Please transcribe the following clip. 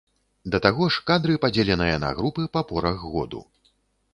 Да таго ж, кадры падзеленыя на групы па порах году.